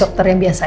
dokter yang biasa ya